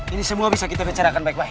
ini semua bisa kita bicarakan baik baik